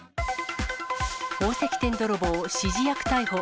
宝石店泥棒、指示役逮捕。